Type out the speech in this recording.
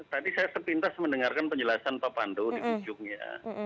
tadi saya sepintas mendengarkan penjelasan pak pandu di ujungnya